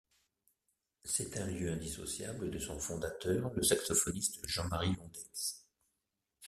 C’est un lieu indissociable de son fondateur le saxophoniste Jean-Marie Londeix.